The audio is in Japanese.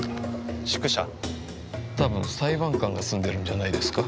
多分裁判官が住んでるんじゃないですか？